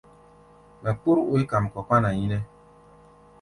Mɛ kpór oí kam kɔ kpána yínɛ́.